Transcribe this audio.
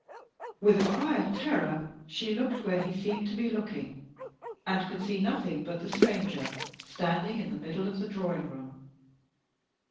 With a cry of terror, she looked where he seemed to be looking; and could see nothing but the stranger standing in the middle of the drawing room.